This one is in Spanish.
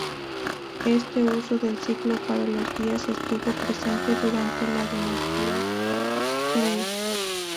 Este uso del ciclo para los días estuvo presente durante la dinastía Zhou.